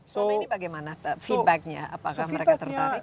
jadi ini bagaimana feedbacknya apakah mereka tertarik